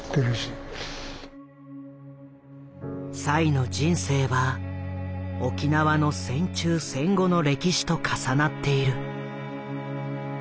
栽の人生は沖縄の戦中戦後の歴史と重なっている。